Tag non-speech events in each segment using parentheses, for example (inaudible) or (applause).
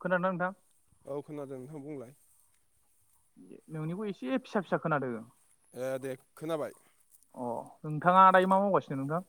खोनादों ना नोंथां? औ खोनादों नोंथां बुंलाय। नोंनिखौ एसे फिसा फिसा खोनादों। ए दे खोनाबाय। अ नोंथाङा दायो मा मावगासिनो नोंथां?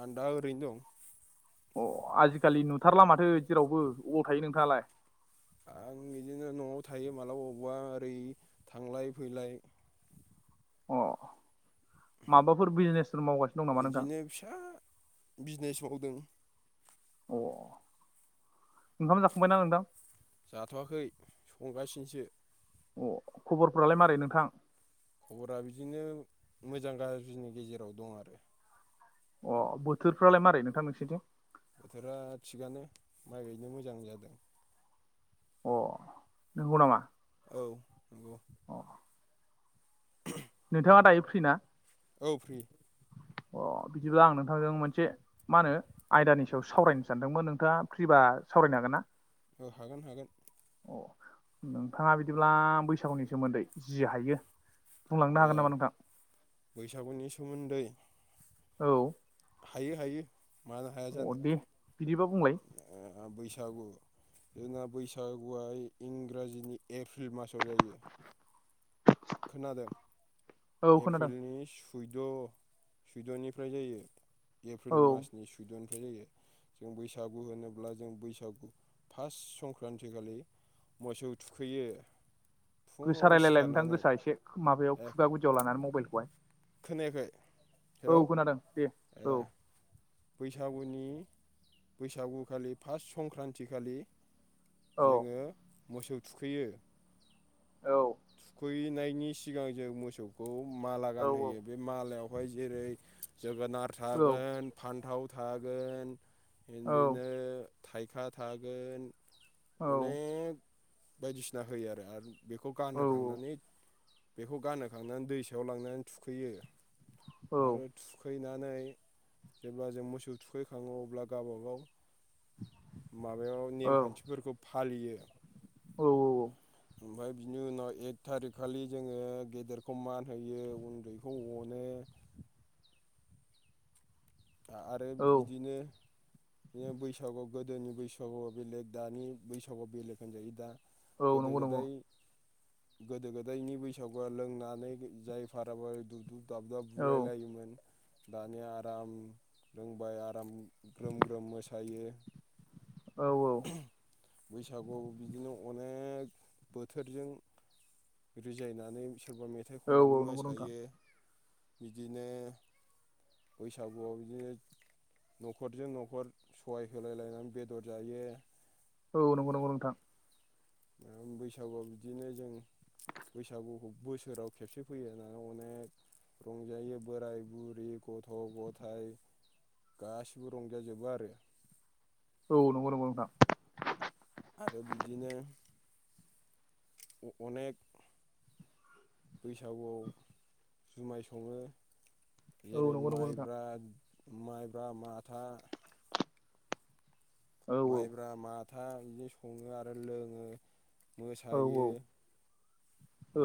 आं दा ओरैनो दं अ आजिखालि नुथारला माथो जेरावबो बबाव थायो नोंथाङालाय? आं बिदिनो न'आव थायो मालाबा अबावबा ओरै थांलाय फैलाय। अ माबाफोर बिजनेस? बिदिनो फिसा बिजनेसआव दों। अ ओंखाम जाखांबायना नोंथां? जाथ'वाखै संगासिनोसो। अ खबरफोरालाय मारै नोंथां? खबरा बिदिनो मोजां गाज्रिनि गेजेराव दं आरो अ बोथोरफ्रालाय मारै नोंथां नोंसोरथिं? बोथोरा थिगानो माइ गायनो मोजां जादों। अ नंगौ नामा? औ नंगौ। अ नोंथाङा दायो फ्रि ना? औ फ्रि अ बिदिब्ला आं नोंथांजों मोनसे मा होनो आयदानि सायाव सावरायनो सानदोंमोन नोंथाङा फ्रिबा सावरायनो हागोन ना? औ हागोन हागोन। अ नोंथाङा बिदिब्ला बैसागुनि सोमोन्दै जि हायो बुंलांनो ओ हागोन नामा नोंथां बैसागुनिस सोमोन्दै औ हायो हायो। मानो हाया अ जानो दे बिदिबा बुंलाय? सागु जोंना बैसागुआ इ इंराजिनि एक फ्रि मासाव जायो। खोनादों औ खोनादों एप्रिलनिस जिद' जिद'निफ्राय जायो। औ एप्रिल मासनि सुइद'न बे जायो जों बैसागु होनोब्ला जों बैसागु फास संक्रान्ति खालि मोसौ थुखैयो। गोसा फुङाव रायलायलाय नोंथां सिखारनानै गोसाय एसे माबायाव ए खुगा गुदियाव लानानै मबाइल खौहाय खोनायाखै औ हेलौ खोनादों दे ए औ बैसागुनि बैसागुखालि फास्ट संक्रान्ति खालि औ जोङो मोसौ थुखैयो। औ फैनायनि सिगां जों मोसौखौ माला औ गानहोयो बे मालायाव बाय जेरै जोगोनार औ थागोन फान्थाव थागोन औ एनदिनो थाइखा थागोन औ अनेग बायदिसिना होयो आरो आरो बेखौ औ गानो खांनानै बेखौ गानोखांनानै दैसायाव लांनानै थुखैयो आरो थुखैना नै जेब्ला जों मोसौ थुखैखाङो अब्ला गावबागाव माबायाव नेम खान्थिफोरखौ फालियो औ औ औ ओमफ्राय बिनि उनाव एक थारिख खालि जोङो गेदेरखौ मान होयो उन्दैखौ अनो आ आरो औ बिदिनो दिनो बैसागु गोदोनि बैसागुआ बेलेग दानि बैसागुआ बेलेग होनजायो दा औ गोदो नंगौ नंगौ गोदाय गोदो गोदायनि बैसागुआ लोंनानै दु जाय भाराबो दु दुब दाब दाब औ बुलायलायोमोन दानिया आराम रोंबाय आराम ग्रोम ग्रोम मोसायो औ औ बैसागुआव बिदिनो अनेक बोथोरजों रिजायनानै सोरबा मेथाइ औ खननानै औ नंगौ नोंथां मोसायो बिदिनो बैसागुआव बिदिनो न'खरजों न'खर सहाय होलायलायनानै बेदर जायो औ नंगौ नंगौ नोंथां ओम बैसागुआव बिदिनो जों बैसागुखौ बोसोराव खेबसे फैयो होननानै अनेक रंजायो बोराय बुरि गथ' गथाइ गासिबो रंजाजोबो आरो औ नंगौ नंगौ नोंथां आरो बिदिनो अ-अनेक बैसागुआव जुमाय सङो औ जेरै नंगौ नंगौ नोंथां माइब्रा माइब्रा माथा औ माइब्रा माथ था बिदि संङो आरो लोङो औ मोसायो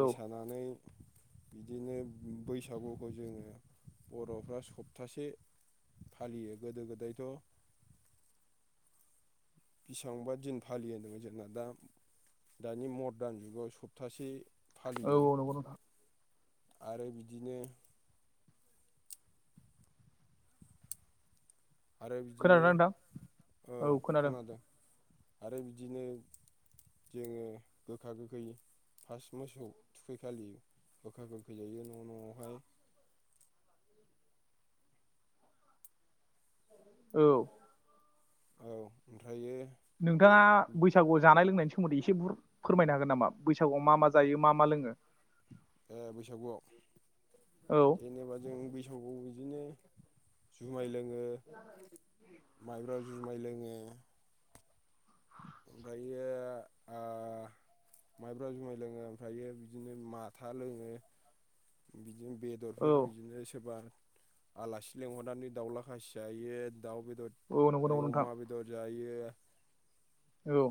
औ बिदिनो बैसागुखौ जोङो बर'फ्रा सप्तासे फालियो गोदो गोदायथ' बेसेबांबा दिन फालि होनदोंमोन जोंना दा दानि मदार्न जुगाव सप्तासे औ फालियो औ नंगौ नोंथां आरो बिदिनो आरो बिदिनो खोनादोंना नोंथां औ खोनादों आरो बिदिनो जोङो गोखा गोखै फास्ट मोसौ थुखै खालि गोखा गोखै जायो न' न'आवहाय औ औ ओमफ्रायो नोंथाङा बैसागुआव जानाय लोंनायनि सो मोन्दै एसे बुर फोरमायनो हागोन नामा? बैसागुआव मा मा जायो मा मा लोङो। ए बैसागुआव? औ जेनेबा जों बैसागुआव बिदिनो जुमाय लों (inaudible) माइब्रा जुमाय लोङो। ओमफ्रायो ओ माइब्रा जुमाय लोङो, ओमफ्रायो बिदिनो माथा लोङो, बि दिनो औ बेदरफोर बिदिनो सोरबा आलासि लेंंहरनानै दाउला खासि जायो। दाउ बेदद औ नंगौ नंगौ जायो, नोंथां अमा बेदर जायो। यो। औ।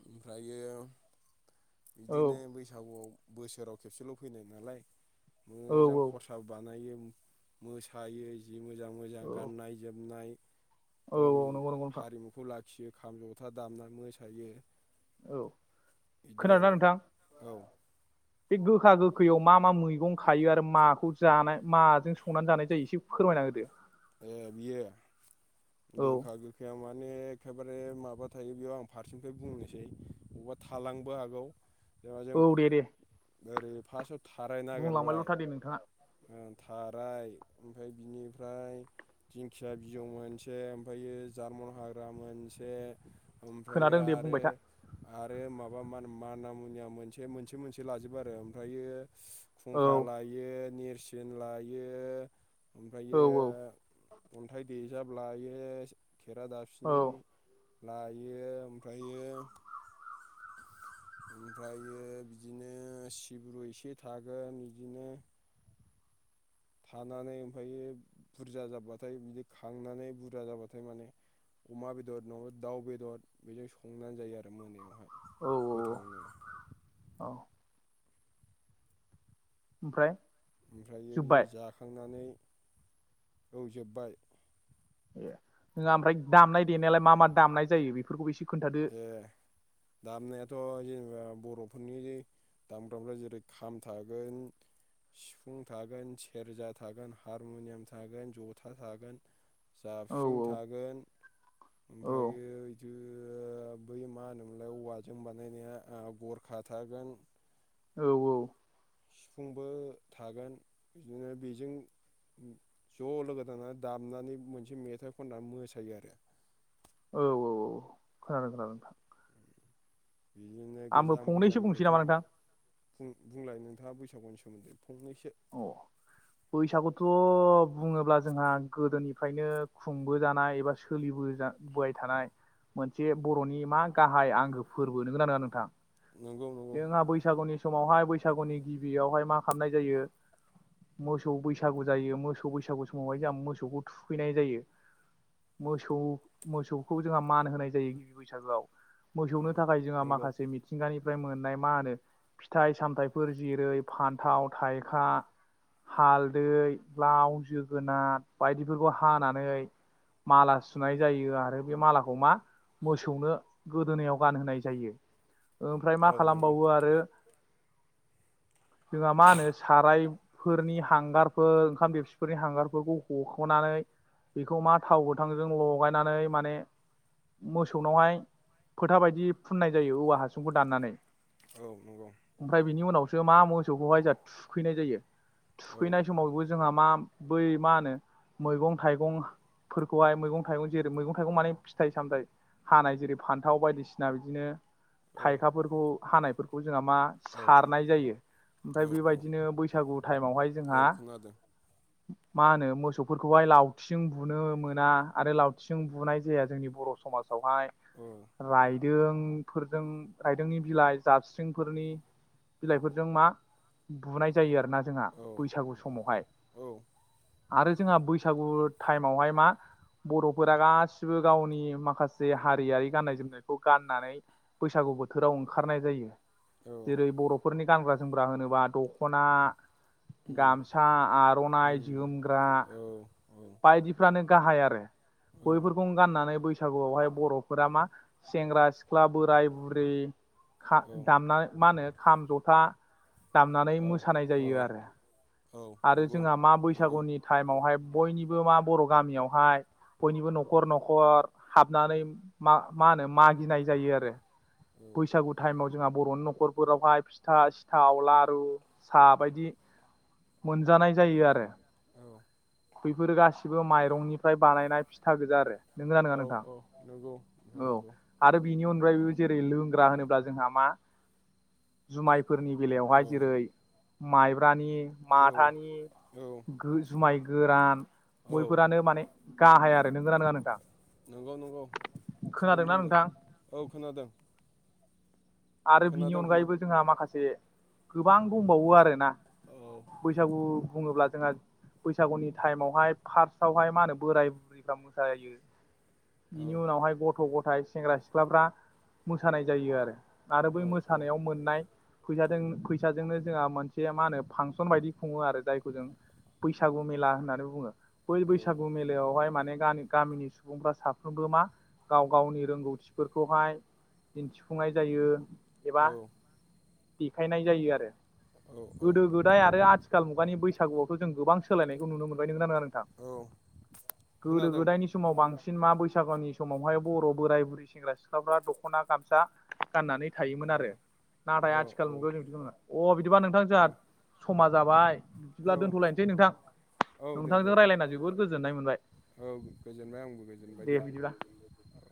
ओमफ्रायो औ बिदिनो बैसागुआव बोसोराव खेबसेल' फैनाय नालाय मोजां औ खरसाबो बानायो। मोसायो जि मोजां मोजां औ गाननाय जोमनाय औ गावनि औ नंगौ नंगौ नोंथां हारिमुखौ लाखियो। खाम, ज'था दामनानै मोसायो। औ, बिदि खोनादोना आरो नोंथां? औ बे गोखा गोखैयाव मा मा मैगं खायो आरो माखौ जानाय माजों संनानै जानाय जायो एसे फोरमायना होदो? ए बियो औ गोखा गोखैया मा ने एखेबारे माबा थायो बेयाव, आं फारसेनिफ्राय बुंनोसै, बबा थालांनोबो हागौ। जेनेबा जों औ दे दे। ओरै फास्टआव बुंलांबायल' था दे नोंथाङा। थाराय ओमफ्राय बिनिफ्राय दिंखिया बिजौ मोनसे ओमफायो जार्मन हाग्रा मोनसे ओमफ्रायो खोनादों दे बुंबाय आरो था आरो माबा मानो माना मुनिया मोनसे मोनसे मोनसे लाजोबो आरो ओमफ्रायो औ खुंखा लायो निर सिन लायो औ ओमफ्रायो अन्थाइ देजाब लायो औ खेरादाफिनि लायो ओमफ्रायो, ओमफ्रायो बिदिनो सिब्रु एसे थागोन बिदिनो थानानै ओमफ्रायो बुरजा जाबाथाय बिदि खांनानै बुरजा जाबाथाय माने अमा बेदर नङाबा दाउ बेदर बेजों संनानै जायो आरो मोनायावहाय औ गोथांनो औ ओमफ्राय ओमफ्रायो जोब्बाय बियाव जाखांनानै एवजोब्बाय नङा ओमफ्राय दामनाय देनायालाय मा मा दामनाय जायो बेफोरखौ एसे खोन्थादो ए फोरनि दामग्रामफ्रा जेरै खाम थागोन सिफुं थागोन सेरजा थागोन हारमुनियाम थागोन जथा थागोन औ जाबस्रिं थागोन औ ओमफ्रायो बिदि बै मा होनोमोनलाय औवाजों बानायनाया गरखा थागोन औ सिफुंबो थागोन बिदिनो बेजों ज' लोगो नांनानै दानानानै मोनसे मेथाइ खननानै मोसायो आरो औ औ खोनादों खोनादों नोंथां बिदिनो आंबो गोजाम फंनैसो गोजाम बुंसै नामा मेथाइ नोंथां फुं बुंलाय नोंथाङा बैसागुनि सोमोन्दै फंनैसो बैसाखौथ' बुङोब्ला जोंहा गोदोनिफ्रायनो खुंबोजानाय एबा सोलिबोजाबोबाय थानाय मोनसे बर'नि मा गाहाय आंगो फोरबो नंगौना नङा नोंथां नंगौ नंगौ जोंहा बैसागुनि समावहाय बैसाग बैसागुनि गिबियावहाय मा खालामनाय जायो मोसौ बैसागु जायो मोसौ बैसागु समावहाय जोंहा मोसौखौ थुखैनाय जायो मोसौ मोसौखौ जोंहा मान होनाय जायो गिबि बैसागोआव औ मोसौनो थाखाय जोंहा नंगौ माखासे मिथिंगानि फ्राय मोननाय मा होनो फिथाइ सामथाइफोर जेरै फान्थाव थाइखा हालदै लाव जोगोनार बायदिफोरखौ हानानै माला सुनाय जायो आरो बे मालाखौ मा मोसौनो गोदोनायाव गानहोनाय जायो ओमफ्राय मा औ नंगौ खालामबावो आरो जोंहा मा होनो सारायफोरनि हांगारफोर ओंखाम बेबसिफोरनि हांगारफोरखौ हख'नानै बेखौ मा थाव गोथांजों लगायनानै माने मोसौनावहाय फोथा बायदि फुननाय जायो औवाहा फुंखौ दाननानै औ नंगौ सो मा मोसौखौहाय जों थुखैनाय जायो औ थुखैनाय समावबो जोंहा मा बै मा होनो मैगं थाइगंफोरखौहाय मैगं थाइगं जेरै मैगं थाइगं माने फिथाइ सामथाइ हानाय जेरै फान्थाव बायदिसिना बिदिनो औ थाइखाफोरखौ हानायफोरखौ जोंहा मा औ सारनाय जायो औ ओमफ्राय औ बेबायदिनो बैसागु टाइमावहाय औ जोंहा खोनादों मा होनो मोसौफोरखौहाय लावथिं बुनो मोना आरो लावथिं बुनाय जाया जोंनि बर' समाजाव बावहाय औ रायदों दों फोर जों रायदोंनि बिलाइ जाबस्रिंफोरनि बिलाइफोरजों मा बुनाय जायो आरो रोना जोंहा औ बैसागु औ समावहाय औ आरो जोंहा बैसागु टाइमावहाय मा बर'फोरा गासिबो गावनि माखासे हारियारि गाननाय जोमनायखौ गाननानै बैसागु बोथोराव ओंखारनाय जायो औ जेरै बर' फोरनि गानग्रा जोमग्रा होनोबा दख'ना उम गामसा आर'नाइ उम जोमग्रा औ औ बायदिफ्रानो गाहाय आरो बैफोरखौ गाननानै बै बैसागुआवहाय बर'फोरा मा सेंग्रा सिख्ला बोराय बुरै दामनानै मा होनो खाम जथा दामनानै औ मोसानाय औ जायो आरो औ आरो नंगौ जोंहा मा नंगौ बैसागुनि टाइमावहाय बयनिबो मा बर' गामियावहाय बयनिबो न'खर न'खर हाबनानै मा मा होनो मागिनाय जायो आरो औ बैसागु टाइमाव जों जोंहा बर'नि न'खरफोरावहाय फिथा सिथाव लारु साहा बायदि मोनजानाय जायो आरो औ बेैफोरो गासिबो माइरंनिफ्राय बानायनाय फिथा गोजा आरो नोंगो ना नङा औ नोंथां औ नंगौ नोंथां औ नंगौ आरो बिनि अनगायैबो जेरै लोंग्रा होनोब्ला दा जोंहा मा जुमाय फोरनि औ बेलायावहाय जेरै माइब्रानि औ माथानि औ जुमाय गोरान औ बैफोरानो माने गाहाय आरो नोंगौ ना नङा नोंथां नंगौ नंगौ थिगखौनो खोनादोंना बुंदो नोंथां? औ खोनादों आरो बिनि खोनादों खोना अनगायैबो जोंहा माखासे गोबां दंबावो आरोना औ बैसागु बुङोब्ला जोंहा बैसागुनि टाइमावहाय फार्स्टावहाय मा होनो बोराय बुरिफ्रा मोसा लायो। औ बिनि उनावहाय गथ' गथ' नाथाय सेंग्रा सिख्लाफ्रा मोसानाय जायो आरो आरो औ बै औ मोसानायाव मोननाय फैसाजों फैसाजोंनो जोंहा मोनसे मा होनो फांसन बायदि खुङो आरो जायखौ जों बैसागु मेला होननानै बुङो। बै बैसागु मेलायावहाय माने गामिनि सुबुंफ्रा साफ्रोमबो मा गाव गावनि रोंगौथिफोरखौहाय दिन्थिफुंनाय जायो एबा औ देखायनाय जायो आरो औ गोदो गोदाय आरो आथिखाल मुगानि बैसागुआथ जों गोबां सोलायनायखौ नुनो मोनबाय औ (unintelligible) गोदो खोनादों गोदायनि समाव बांसिन (unintelligible) बैसागुनि समावहाय बर' बोराय बुरै सेंग्रा सिख्लाफ्रा दख'ना गामसा गाननानै औ थायोमोन आरो औ औ (unintelligible) अ बिदिबा नोंथां औ जों (unintelligible) (unintelligible) जाबाय बिदिब्ला औ दोनथ'लायनोसै नोंथां औ दे दे नोंथांजों दे रायलायना जोबद गोजोननाय मोनबाय औ गोजोनबाय आंबो गोजोनबाय दे बिदिबा औ